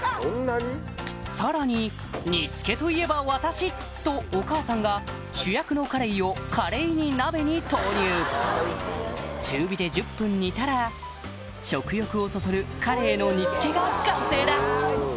さらに「煮付けといえば私！」とお母さんが主役のカレイをカレイに鍋に投入中火で１０分煮たら食欲をそそるカレイの煮付けが完成だ！